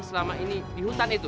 selama ini di hutan itu